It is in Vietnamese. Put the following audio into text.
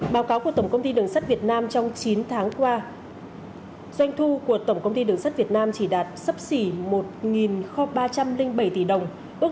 báo cáo của tổng công ty đường sắt việt nam trong chín tháng qua doanh thu của tổng công ty đường sắt việt nam chỉ đạt sấp xỉ một ba trăm linh bảy tỷ đồng